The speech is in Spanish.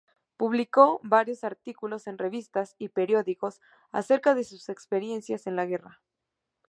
Publicó varios artículos en revistas y periódicos acerca de sus experiencias en la guerra.